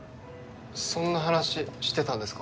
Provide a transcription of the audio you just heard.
そんな話してたんですか？